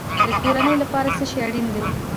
د کورنۍ لپاره څه شی اړین دی؟